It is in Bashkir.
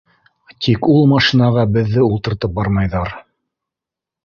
Тик ул машинаға беҙҙе ултыртып бармайҙар.